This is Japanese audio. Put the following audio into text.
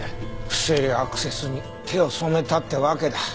不正アクセスに手を染めたってわけだ。